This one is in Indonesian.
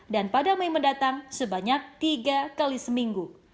dan pada mei mendatang sebanyak tiga kali seminggu